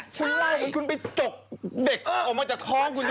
ใช่คุณไปจกเด็กออกมาจากท้องคุณยมพู่